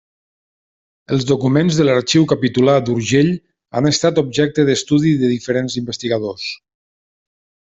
Els documents de l'Arxiu Capitular d'Urgell han estat objecte d'estudi de diferents investigadors.